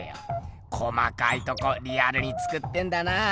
細かいとこリアルに作ってんだな。